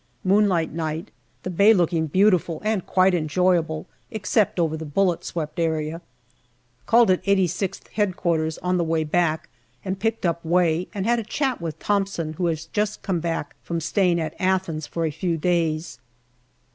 Moonlight night, the bay looking beautiful and quite enjoyable, except over the bullet swept area. Called at 86th H.Q. on the way back, and picked up Way, and had a chat with Thomson, who had just come back from staying at Athens for a few days.